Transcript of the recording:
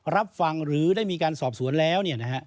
รับฟังหรือได้มีการสอบสวนแล้ว